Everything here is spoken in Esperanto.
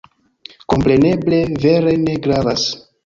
Kompreneble, vere ne gravas.